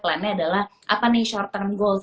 plannya adalah apa nih short term gold